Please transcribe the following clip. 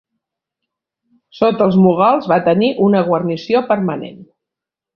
Sota els mogols va tenir una guarnició permanent.